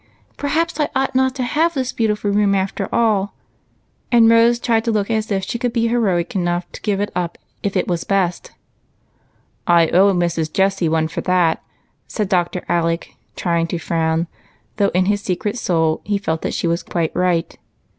— perhaps I ought not to have this beautiful room after all !" and Rose tried to look as if she could be heroic enough to give it up if it was best. "I owe Mrs. Jessie one for that," said Dr. Alec, trying to frown, though in his secret soul he felt that she was quite right.